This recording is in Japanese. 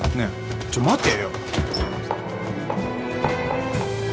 ちょっと待てよ！